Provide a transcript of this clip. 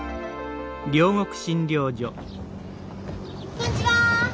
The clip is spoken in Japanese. こんちは！